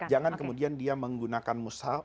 jangan kemudian dia menggunakan mushab